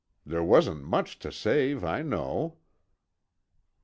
There wasn't much to save, I know."